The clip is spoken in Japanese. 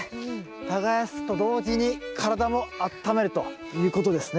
耕すと同時に体もあっためるということですね。